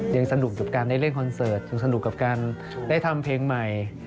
ยังสนุกกับการได้เล่นคอนเสิร์ตยังสนุกกับการได้ทำเพลงใหม่